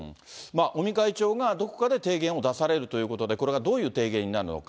尾身会長がどこかで提言を出されるということで、これがどういう提言になるのか。